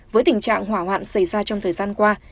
với tình trạng hỏa hoạn xảy ra trong thời gian qua